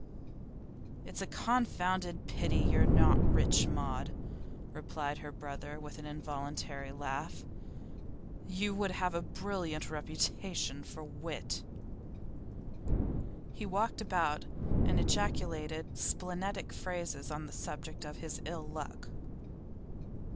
'It's a confounded pity that you're not rich, Maud,' replied her brother with an involuntary laugh. 'You would have a brilliant reputation for wit.' He walked about and ejaculated splenetic phrases on the subject of his ill luck.